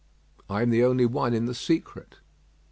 "I am the only one in the secret."